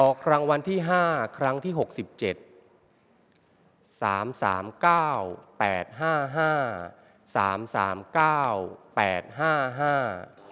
รางวัลที่ห้าครั้งที่หกสิบเจ็ดสามสามเก้าแปดห้าห้าสามสามเก้าแปดห้าห้า